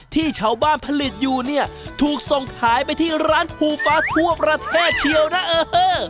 ที่ชาวบ้านผลิตอยู่เนี่ยถูกส่งขายไปที่ร้านภูฟ้าทั่วประเทศเชียวนะเออ